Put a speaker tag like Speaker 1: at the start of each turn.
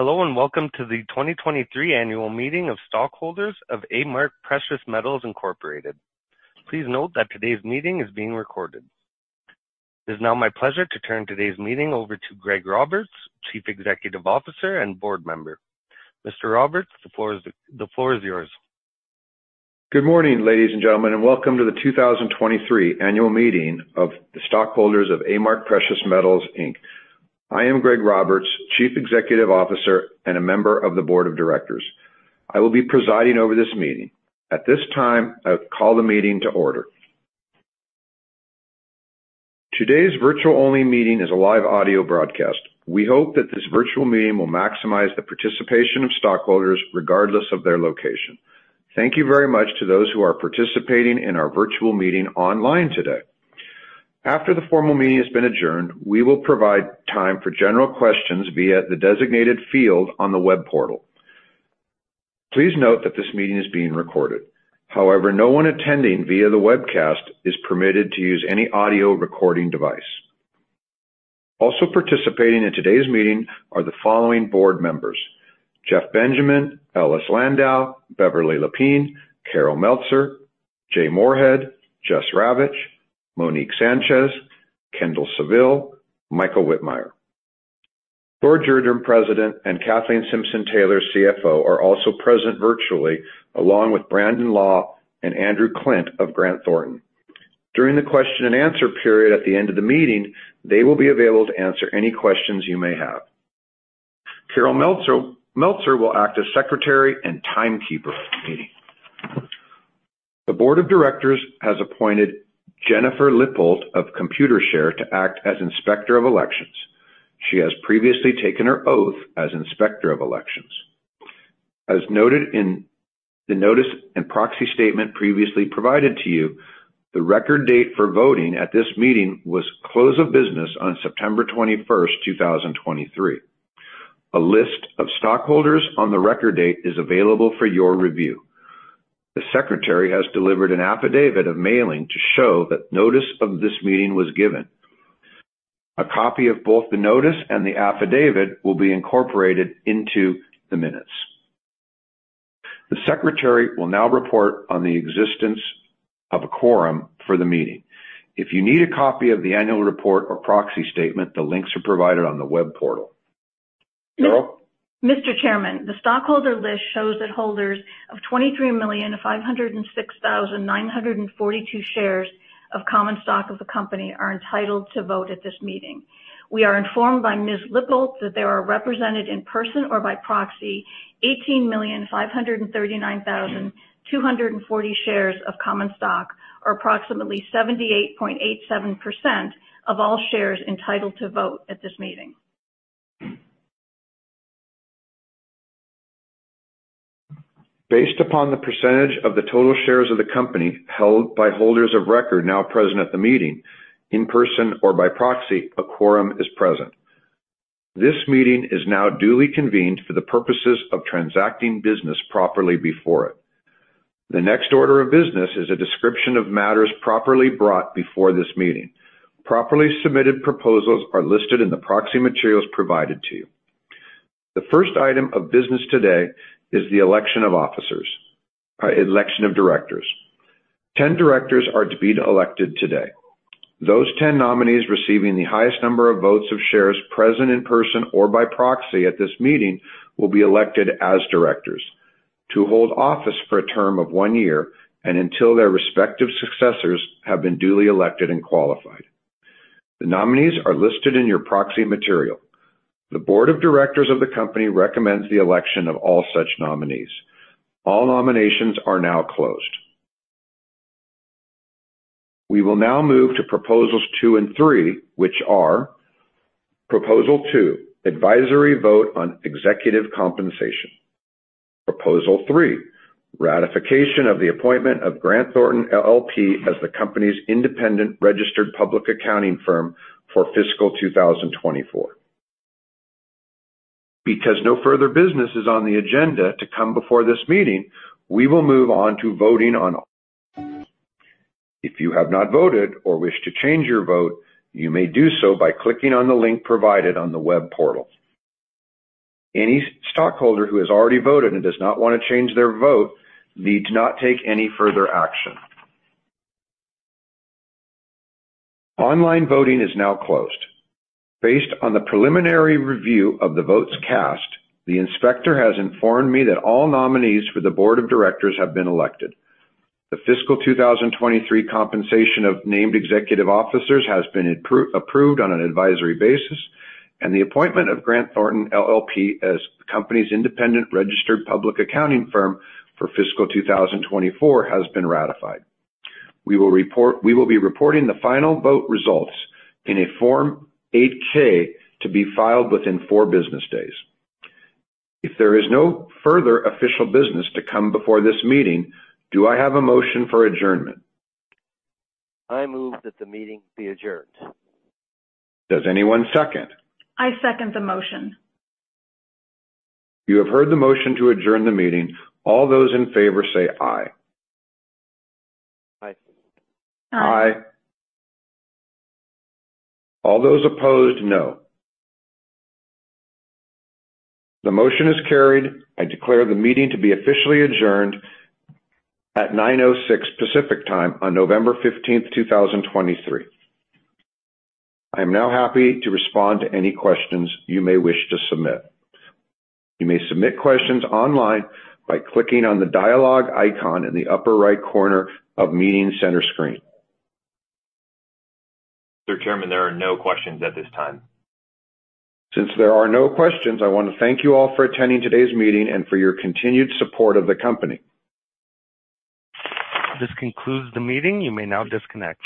Speaker 1: Hello, and welcome to the 2023 Annual Meeting of Stockholders of A-Mark Precious Metals Incorporated. Please note that today's meeting is being recorded. It is now my pleasure to turn today's meeting over to Greg Roberts, Chief Executive Officer and Board Member. Mr. Roberts, the floor is yours.
Speaker 2: Good morning, ladies and gentlemen, and welcome to the 2023 Annual Meeting of the Stockholders of A-Mark Precious Metals, Inc. I am Greg Roberts, Chief Executive Officer and a member of the Board of Directors. I will be presiding over this meeting. At this time, I call the meeting to order. Today's virtual-only meeting is a live audio broadcast. We hope that this virtual meeting will maximize the participation of stockholders regardless of their location. Thank you very much to those who are participating in our virtual meeting online today. After the formal meeting has been adjourned, we will provide time for general questions via the designated field on the web portal. Please note that this meeting is being recorded. However, no one attending via the webcast is permitted to use any audio recording device. Also participating in today's meeting are the following board members: Jeff Benjamin, Ellis Landau, Beverley Lepine, Carol Meltzer, John Moorhead, Jess Ravich, Monique Sanchez, Kendall Saville, Michael Wittmeyer. Thor Gjerdrum, President, and Kathleen Simpson-Taylor, CFO, are also present virtually, along with Brandon Law and Andrew Klint of Grant Thornton. During the question and answer period at the end of the meeting, they will be available to answer any questions you may have. Carol Meltzer will act as secretary and timekeeper of the meeting. The Board of Directors has appointed Jennifer Lippoldt of Computershare to act as Inspector of Elections. She has previously taken her oath as Inspector of Elections. As noted in the notice and proxy statement previously provided to you, the record date for voting at this meeting was close of business on September 21st, 2023. A list of stockholders on the record date is available for your review. The secretary has delivered an affidavit of mailing to show that notice of this meeting was given. A copy of both the notice and the affidavit will be incorporated into the minutes. The secretary will now report on the existence of a quorum for the meeting. If you need a copy of the annual report or proxy statement, the links are provided on the web portal. Carol?
Speaker 3: Mr. Chairman, the stockholder list shows that holders of 23,506,942 shares of common stock of the company are entitled to vote at this meeting. We are informed by Ms. Lippoldt that they are represented in person or by proxy, 18,539,240 shares of common stock, or approximately 78.87% of all shares entitled to vote at this meeting.
Speaker 2: Based upon the percentage of the total shares of the company held by holders of record now present at the meeting, in person or by proxy, a quorum is present. This meeting is now duly convened for the purposes of transacting business properly before it. The next order of business is a description of matters properly brought before this meeting. Properly submitted proposals are listed in the proxy materials provided to you. The first item of business today is the election of officers, election of directors. 10 directors are to be elected today. Those 10 nominees receiving the highest number of votes of shares present in person or by proxy at this meeting, will be elected as directors to hold office for a term of one year and until their respective successors have been duly elected and qualified. The nominees are listed in your proxy material. The Board of Directors of the company recommends the election of all such nominees. All nominations are now closed. We will now move to Proposals 2 and 3, which are: Proposal 2, advisory vote on executive compensation. Proposal 3, ratification of the appointment of Grant Thornton LLP as the company's independent registered public accounting firm for fiscal year 2024. Because no further business is on the agenda to come before this meeting, we will move on to voting on. If you have not voted or wish to change your vote, you may do so by clicking on the link provided on the web portal. Any stockholder who has already voted and does not want to change their vote needs not take any further action. Online voting is now closed. Based on the preliminary review of the votes cast, the inspector has informed me that all nominees for the Board of Directors have been elected. The fiscal year 2023 compensation of named executive officers has been approved on an advisory basis, and the appointment of Grant Thornton LLP as the company's independent registered public accounting firm for fiscal year 2024 has been ratified. We will report, we will be reporting the final vote results in a Form 8-K to be filed within four business days. If there is no further official business to come before this meeting, do I have a motion for adjournment?
Speaker 4: I move that the meeting be adjourned.
Speaker 2: Does anyone second?
Speaker 3: I second the motion.
Speaker 2: You have heard the motion to adjourn the meeting. All those in favor say aye.
Speaker 4: Aye.
Speaker 3: Aye.
Speaker 2: All those opposed, no. The motion is carried. I declare the meeting to be officially adjourned at 9:06 Pacific Time on November 15th, 2023. I am now happy to respond to any questions you may wish to submit. You may submit questions online by clicking on the dialogue icon in the upper right corner of Meeting Center screen.
Speaker 5: Mr. Chairman, there are no questions at this time.
Speaker 2: Since there are no questions, I want to thank you all for attending today's meeting and for your continued support of the company.
Speaker 1: This concludes the meeting. You may now disconnect.